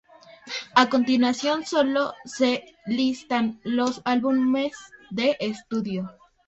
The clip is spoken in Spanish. A continuación solo se listan los álbumes de estudio.